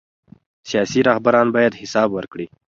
سیاسي رهبران باید حساب ورکړي